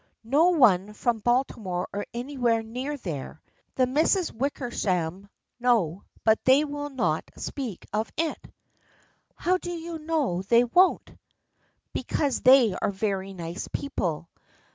No one from Baltimore or anywhere near there. The Misses Wickersham know but they will not speak of it." " How do you know they won't? "" Because they are very nice people.